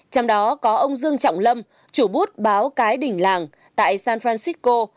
trong đó có ông dương trọng lâm chủ bút báo cái đỉnh làng tại san francisco